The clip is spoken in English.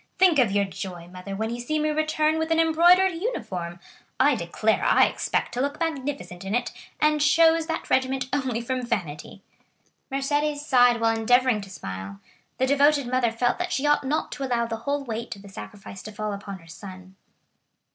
Think of your joy, mother, when you see me return with an embroidered uniform! I declare, I expect to look magnificent in it, and chose that regiment only from vanity." Mercédès sighed while endeavoring to smile; the devoted mother felt that she ought not to allow the whole weight of the sacrifice to fall upon her son.